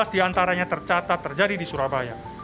dua belas di antaranya tercatat terjadi di surabaya